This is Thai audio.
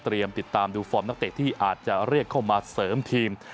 ติดตามดูฟอร์มนักเตะที่อาจจะเรียกเข้ามาเสริมทีม